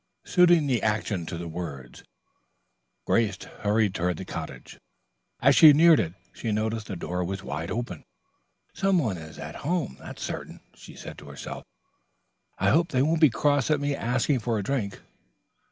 Suiting the action to the words, Grace hurried toward the cottage. As she neared it she noticed that the door was wide open. "Some one is at home, that's certain," she said to herself. "I hope they won't be cross at my asking for a drink.